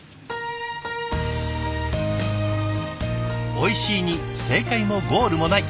「おいしい」に正解もゴールもない。